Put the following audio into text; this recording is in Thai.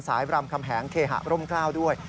บรำคำแหงเคหะร่มกล้าวด้วย